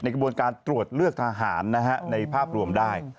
กระบวนการตรวจเลือกทหารในภาพรวมได้